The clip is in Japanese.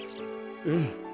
うん。